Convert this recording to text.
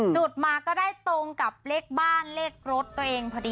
จุดมาก็ได้ตรงกับเลขบ้านเลขรถตัวเองพอดี